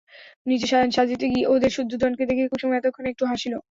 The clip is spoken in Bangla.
নিজে সাজিতে গিয়া ওদের দুজনকে দেখিয়া কুসুম এতক্ষণে একটু হাসিল।